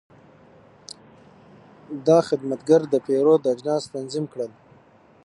دا خدمتګر د پیرود اجناس تنظیم کړل.